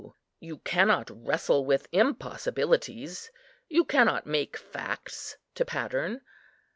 You cannot wrestle with impossibilities, you cannot make facts to pattern.